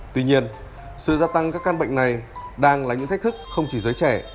tuy nhiên sự gia tăng các căn bệnh này đang là những thách thức không chỉ giới trẻ